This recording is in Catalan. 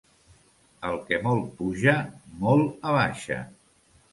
El que molt puja, molt abaixa.